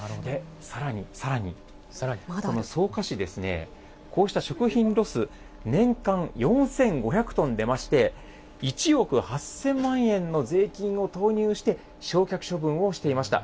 さらに、さらに、この草加市ですね、こうした食品ロス、年間４５００トン出まして、１億８０００万円の税金を投入して、焼却処分をしていました。